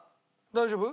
大丈夫？